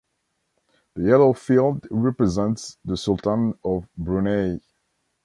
The yellow field represents the sultan of Brunei.